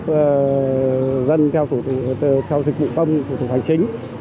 chia cấp dân theo dịch vụ công thủ tục hành chính